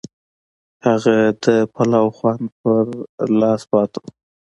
هغه د پلاو خوند پر لاس پاتې و.